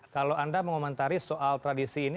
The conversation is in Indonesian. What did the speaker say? kalau anda mengomentari soal tradisi ini